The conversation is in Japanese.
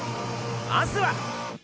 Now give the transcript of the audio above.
まずは。